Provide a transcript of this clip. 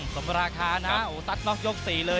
สำหรับราคานะสัดน็อกท์ยกที่๔เลย